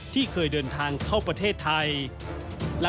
ที่เคยเดินทางเข้าประเทศไทย